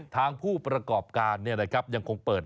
ทางพูอกอบการอย่างคงเปิด